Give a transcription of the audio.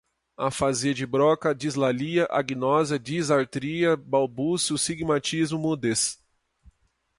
afasia de broca, dislalia, agnosia, disartria, balbucio, sigmatismo, mudez